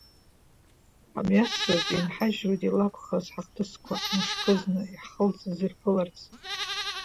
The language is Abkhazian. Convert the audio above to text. Ҳамҩасуеит, инҳажьуеит илакәхаз ҳахҭысқәа, мышкы зны, иаҳхылҵыз ирԥыларц…